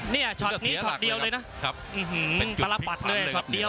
เนี่ยช็อตนี้ช็อตเดียวเลยนะเป็นจุดพิพันธ์เลยนะครับ